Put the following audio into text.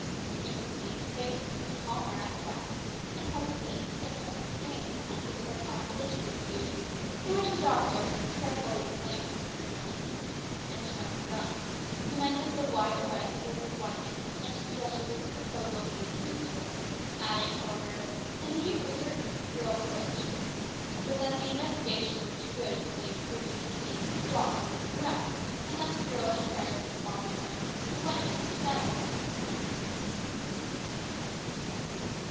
Instantly his face assumed a calmer aspect, and presently he stepped up to the king, and a whispering conversation ensued, in which the doctor, carefully refraining from making any mention of the gun, commended the wise advice of the white man, and suggested that the proposal should be agreed to, adding, however, that he knew for certain that the girl was a witch, but that the investigation would do good in the way of proving that he, the doctor, was correct, and thus the girl should perish on the following night, and the white men would be satisfied.